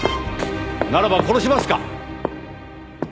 ならば殺しますか？